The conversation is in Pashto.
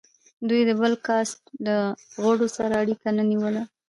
دوی د بل کاسټ له غړو سره اړیکه نه نیوله.